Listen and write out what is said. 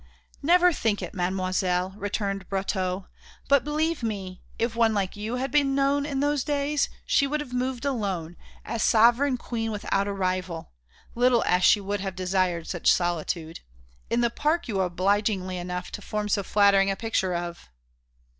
"Never think it, Mademoiselle," returned Brotteaux, "but believe me, if one like you had been known in those days, she would have moved alone, as sovereign queen without a rival (little as she would have desired such solitude), in the park you are obliging enough to form so flattering a picture of...."